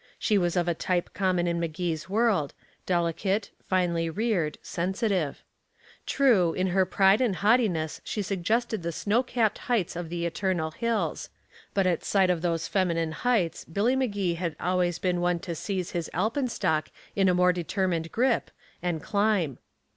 She was of a type common in Magee's world delicate, finely reared, sensitive. True, in her pride and haughtiness she suggested the snow capped heights of the eternal hills. But at sight of those feminine heights Billy Magee had always been one to seize his alpenstock in a more determined grip, and climb.